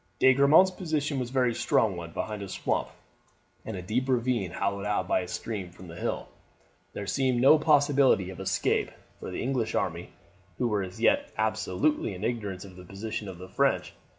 De Grammont's position was a very strong one behind a swamp and a deep ravine hollowed out by a stream from the hill. There seemed no possibility of escape for the English army, who were as yet absolutely in ignorance of the position of the French.